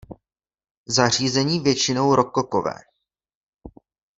Zařízení většinou rokokové.